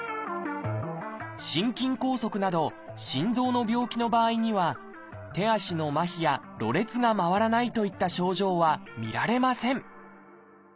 心筋梗塞など心臓の病気の場合には手足のまひやろれつがまわらないといった症状は見られません